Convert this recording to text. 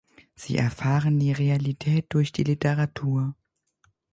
Sie erfahren die Realität durch die Literatur.